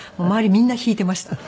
みんな引いていましたね。